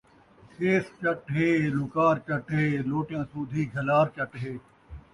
کھیس چٹ ہے ، لُکار چٹ ہے ، لوٹیاں سودھی جھلار چٹ ہے